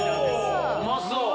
うまそう。